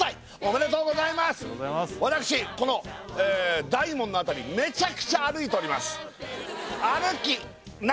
私この大門の辺りめちゃくちゃ歩いております